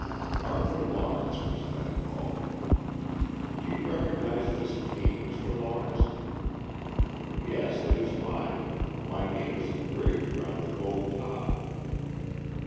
Arthur Lawrence was then called. "Do you recognize this cane, Mr. Lawrence?" "Yes, it is mine. My name is engraved around the gold top."